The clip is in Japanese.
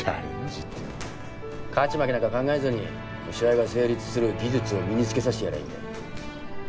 勝ち負けなんか考えずに試合が成立する技術を身につけさせてやりゃいいんだよ。